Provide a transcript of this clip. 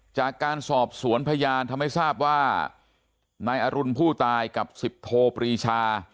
จากการสอบสวนพยานทำให้ทราบว่านายอรุณผู้ตายกับสิบโทปรีชา